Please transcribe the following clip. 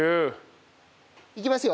いきますよ。